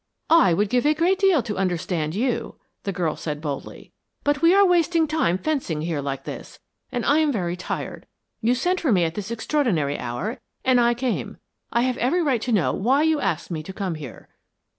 "I would give a great deal to understand you," the girl said boldly. "But we are wasting time fencing here like this, and I am very tired. You sent for me at this extraordinary hour, and I came. I have every right to know why you asked me to come here."